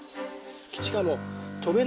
しかも。